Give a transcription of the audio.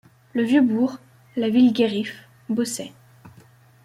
Le Vieux Bourg, la Ville Guérif, Beaussais.